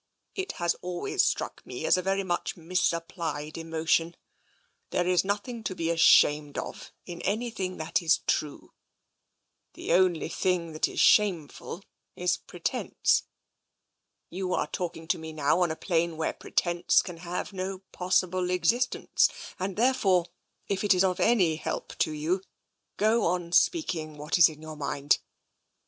It has always struck me as a very much misapplied emotion. There is nothing to be ashamed of in anything that is true. The only thing that is shameful is pretence. You are talking to me now on a plane where pretence can have no possible existence, and therefore, if it is of any help to you, go on speaking what is in your mind.